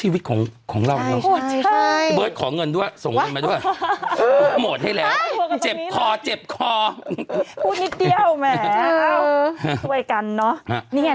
โปรดติดตามตอนต่อไป